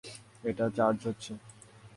এটা চার্জ হচ্ছে।